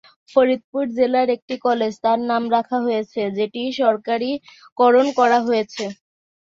ফরিদপুর জেলার একটি কলেজ তার নামে রাখা হয়েছে, যেটি সরকারিকরণ করা হয়েছে।